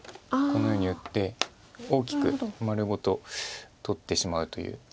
このように打って大きく丸ごと取ってしまうという。